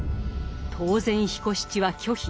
当然彦七は拒否。